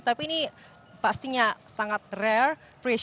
tapi ini pastinya sangat rare